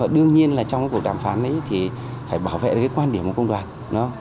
đương nhiên trong cuộc đàm phán phải bảo vệ quan điểm của công đoàn